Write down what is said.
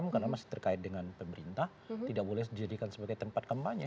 karena masih terkait dengan pemerintah tidak boleh dijadikan sebagai tempat kampanye